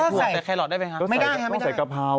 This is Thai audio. ก็ใส่กะเพราต้องใส่กะเพรา